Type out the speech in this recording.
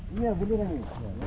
iya belerang ini